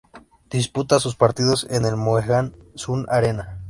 Disputa sus partidos en el Mohegan Sun Arena.